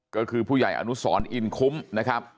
ก็คือผู้ใหญ่อนุสรอินคุ้มนะครับ